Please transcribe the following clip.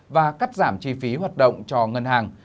và cắt giảm chi phí hoạt động cho ngân hàng